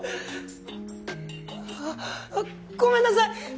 ああごめんなさい！